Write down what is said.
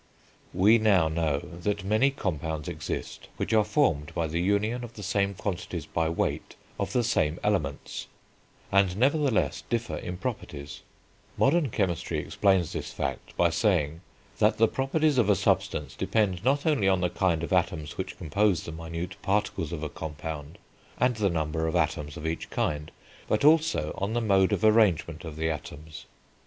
We now know that many compounds exist which are formed by the union of the same quantities by weight of the same elements, and, nevertheless, differ in properties; modern chemistry explains this fact by saying that the properties of a substance depend, not only on the kind of atoms which compose the minute particles of a compound, and the number of atoms of each kind, but also on the mode of arrangement of the atoms.